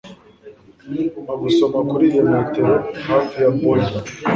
Mpa gusoma kuri iyo metero hafi ya boiler